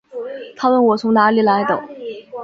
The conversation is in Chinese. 她问我从哪里来的